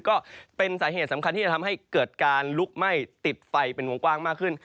ก็เป็นสาเหตุสำคัญที่จะทำให้เกิดการลุกไหม้ติดไฟเป็นวงกว้างมากขึ้น